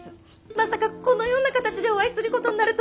まさかこのような形でお会いすることになるとは。